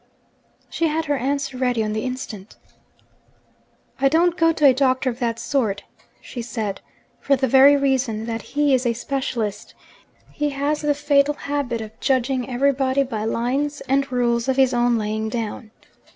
She had her answer ready on the instant. 'I don't go to a doctor of that sort,' she said, 'for the very reason that he is a specialist: he has the fatal habit of judging everybody by lines and rules of his own laying down.